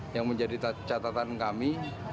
yang menjadi catatan kami